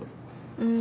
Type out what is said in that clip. うん。